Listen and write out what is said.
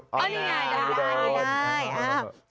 อ๋อนี่ไงได้